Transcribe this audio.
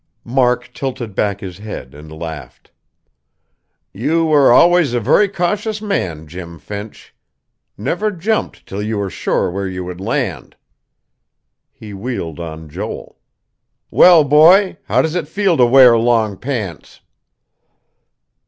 Mark tilted back his head and laughed. "You were always a very cautious man, Jim Finch. Never jumped till you were sure where you would land." He wheeled on Joel. "Well, boy how does it feel to wear long pants?"